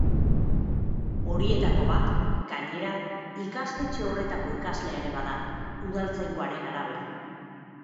Horietako bat, gainera, ikastetxe horretako ikaslea ere bada, udaltzaingoaren arabera.